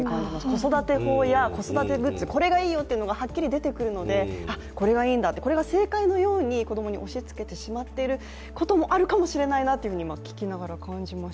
子育て法や子育てグッズ、これがいいよというのがはっきり出てくるので、これがいいんだ、これが正解のように子供に押しつけてしまっているところもあるかもしれないなと今、聞きながら感じました。